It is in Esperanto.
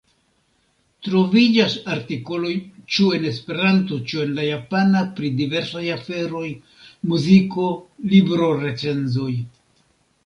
Troviĝas artikoloj ĉu en Esperanto ĉu en la Japana pri diversaj aferoj: muziko, libro-recenzoj.